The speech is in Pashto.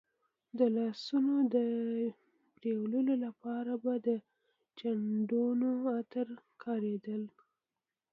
د لاسونو د وینځلو لپاره به د چندڼو عطر کارېدل.